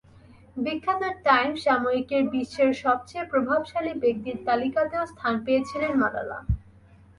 বিখ্যাত টাইম সাময়িকীর বিশ্বের সবচেয়ে প্রভাবশালী ব্যক্তির তালিকাতেও স্থান পেয়েছিলেন মালালা।